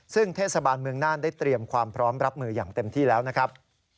ซึ่งเทศบาลเมืองน่านได้เตรียมความพร้อมรับมืออย่างเต็มที่แล้วนะครับ